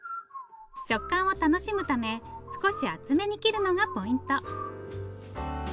食感を楽しむため少し厚めに切るのがポイント。